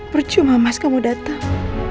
percuma mas kamu datang